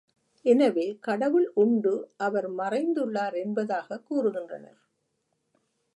எனவே, கடவுள் உண்டு அவர் மறைந்துள்ளார் என்பதாகக் கூறுகின்றனர்.